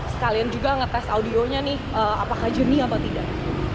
sekalian juga ngetes audionya nih apakah jernih atau tidak